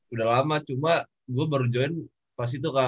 udah lama cuma gue baru join pas itu kak